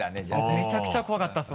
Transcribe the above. めちゃくちゃ怖かったです